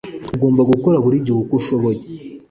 Ugomba gukora buri gihe uko ushoboye